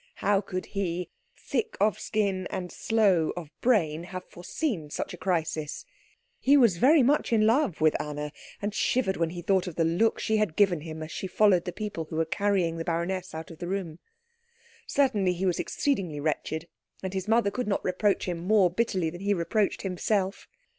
How could he, thick of skin and slow of brain, have foreseen such a crisis? He was very much in love with Anna, and shivered when he thought of the look she had given him as she followed the people who were carrying the baroness out of the room. Certainly he was exceedingly wretched, and his mother could not reproach him more bitterly than he reproached himself.